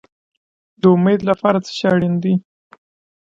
د امید لپاره څه شی اړین دی؟